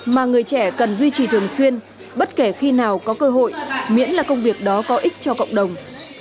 mà người trẻ cần duy trì thường xuyên bất kể khi nào có cơ hội miễn là công việc đó có ích cho cộng đồng